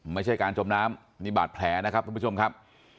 ไม่ใช่การจมน้ำนี่บาดแผลนะครับทุกผู้ชมครับ